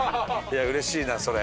いやうれしいなそれ。